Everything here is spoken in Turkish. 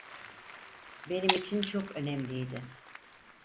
Benim için çok önemliydi.